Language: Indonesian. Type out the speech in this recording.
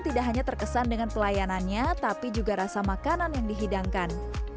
tidak hanya terkesan dengan pelayanannya tapi juga rasa makanan yang dihidangkan